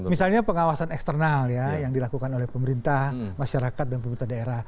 misalnya pengawasan eksternal ya yang dilakukan oleh pemerintah masyarakat dan pemerintah daerah